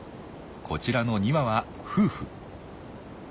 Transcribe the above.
こちらの２羽は夫婦。